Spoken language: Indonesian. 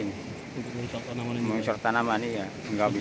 untuk mengusur tanaman ini